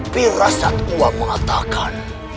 pi rasat uang mengatakan